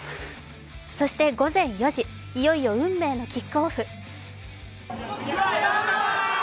そして午前４時いよいよ運命のキックオフ。